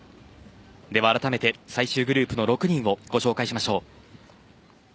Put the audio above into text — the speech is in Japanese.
では、あらためて最終グループの６人をご紹介しましょう。